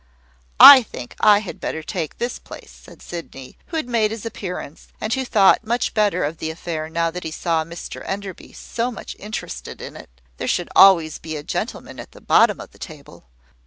"I think I had better take this place," said Sydney, who had made his appearance, and who thought much better of the affair now that he saw Mr Enderby so much interested in it. "There should always be a gentleman at the bottom of the table."